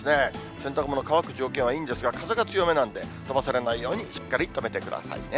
洗濯物乾く条件はいいんですが、風が強めなんで、飛ばされないようにしっかり留めてくださいね。